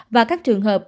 và các trường hợp